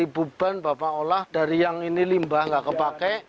tiga ban bapak olah dari yang ini limbah nggak kepake